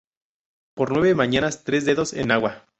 Por nueve mañanas, tres dedos en agua.